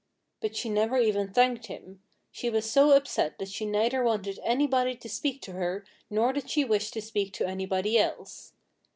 But she never even thanked him. She was so upset that she neither wanted anybody to speak to her nor did she wish to speak to anybody else.